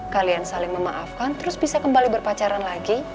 kalian saling memaafkan terus bisa kembali berpacaran lagi